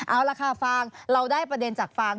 เอาล่ะค่ะฟางเราได้ประเด็นจากฟาง